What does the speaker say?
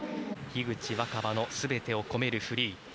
樋口新葉のすべてを込めるフリー。